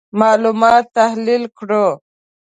معلومات تحلیل کړو.